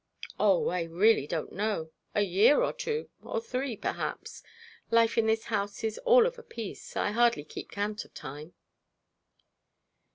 'Oh, I really don't know; a year, or two, or three, perhaps. Life in this house is all of a piece. I hardly keep count of time.'